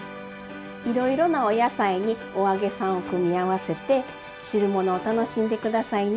いろいろなお野菜にお揚げさんを組み合わせて汁物を楽しんで下さいね。